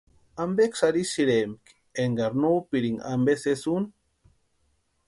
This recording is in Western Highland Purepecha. ¿Ampeksï arhisïrempki énkari no úpirinka ampe sési úni?